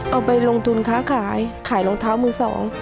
เอาไปลงทุนค้าขายขายรองเท้ามือสอง